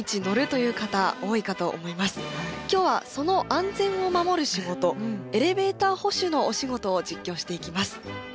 今日はその安全を守る仕事エレベーター保守のお仕事を実況していきます。